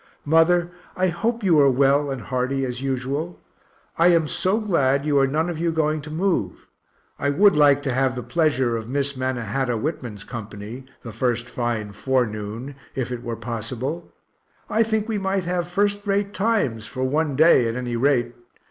Mother, I hope you are well and hearty as usual. I am so glad you are none of you going to move. I would like to have the pleasure of Miss Mannahatta Whitman's company, the first fine forenoon, if it were possible; I think we might have first rate times, for one day at any rate.